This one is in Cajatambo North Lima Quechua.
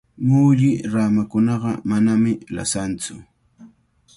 Mulli ramakunaqa manami lasantsu.